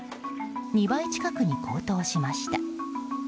２倍近くに高騰しました。